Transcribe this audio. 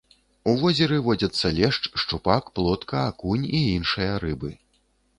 У возеры водзяцца лешч, шчупак, плотка, акунь і іншыя рыбы.